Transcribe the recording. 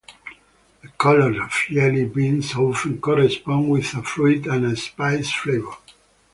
The colors of jelly beans often correspond with a fruit and a "spiced" flavor.